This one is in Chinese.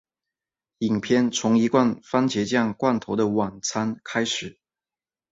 影片从一罐蕃茄酱罐头的晚餐开始。